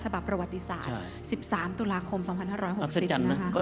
ฉบับประวัติศาสตร์๑๓ตุลาคม๒๕๖๐นะคะ